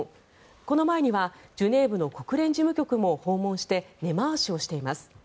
この前にはジュネーブの国連事務局も訪問して根回しをしています。